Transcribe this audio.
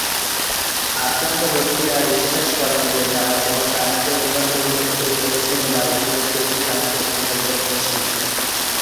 আক্রান্ত ব্যক্তিরা বিশ্বাস করেন যে তারা কোনও প্রাণীতে রূপান্তরিত হতে চলেছেন বা ইতিমধ্যে একটি প্রাণীতে রূপান্তরিত হয়েছেন।